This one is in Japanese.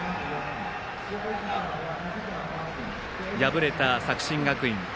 敗れた作新学院。